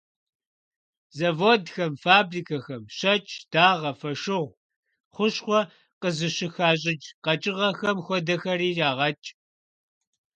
Заводхэм, фабрикэхэм щэкӀ, дагъэ, фошыгъу, хущхъуэ къызыщыхащӀыкӀ къэкӀыгъэхэм хуэдэхэри ягъэкӀ.